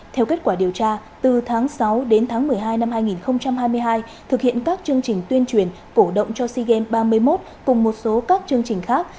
theo kết quả điều tra từ tháng sáu đến tháng một mươi hai năm hai nghìn hai mươi hai thực hiện các chương trình tuyên truyền cổ động cho sea games ba mươi một cùng một số các chương trình khác